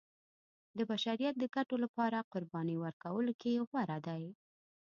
د بشریت د ګټو لپاره قربانۍ ورکولو کې غوره دی.